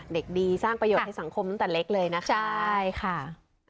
เด็กดีสร้างประโยชน์ให้สังคมตั้งแต่เล็กเลยนะคะใช่ค่ะ